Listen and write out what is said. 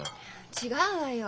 違うわよ。